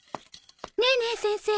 ねえねえ先生